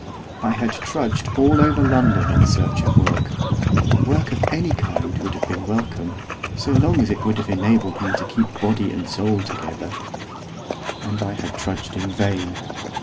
I had trudged all over London in search of work, work of any kind would have been welcome, so long as it would have enabled me to keep body and soul together. And I had trudged in vain.